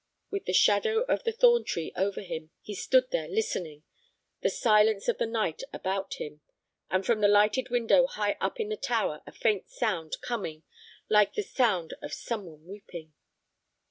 With the shadow of the thorn tree over him, he stood there listening, the silence of the night about him, and from the lighted window high up in the tower a faint sound coming like the sound of some one weeping.